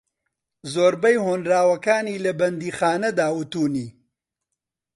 زۆربەی ھۆنراوەکانی لە بەندیخانەدا وتونی